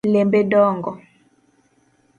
Lembe dongo